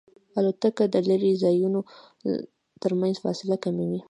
الوتکه د لرې ځایونو ترمنځ فاصله کموي.